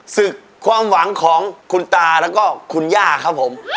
ศึกความหวังของคุณตาแล้วก็คุณย่าครับผม